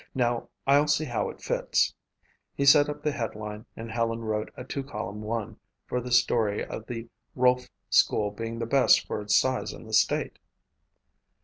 "Now I'll see how it fits." He set up the headline and Helen wrote a two column one for the story of the Rolfe school being the best for its size in the state.